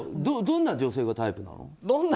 どんな女性がタイプなの？